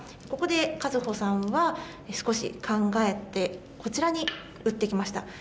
ここでＫａｚｕｈｏさんは少し考えてこちらに打ってきました。